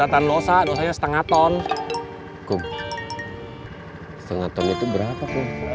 tengah ton itu berapa kum